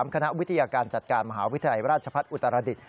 คณะวิทยาการจัดการมหาวิทยาลัยราชพัฒน์อุตรดิษฐ